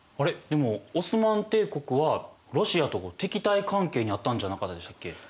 でもオスマン帝国はロシアと敵対関係にあったんじゃなかったでしたっけ？